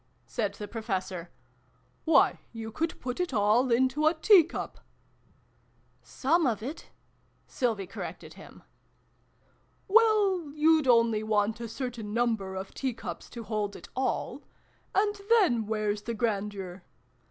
" said the Professor. " Why, you could put it all into a teacup !"" Some of it," Sylvie corrected him. " Well, you'd only want a certain number of tea cups to hold it all. And then where's the grandeur